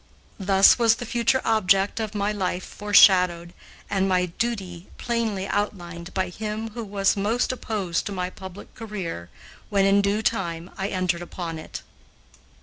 Thus was the future object of my life foreshadowed and my duty plainly outlined by him who was most opposed to my public career when, in due time, I entered upon it.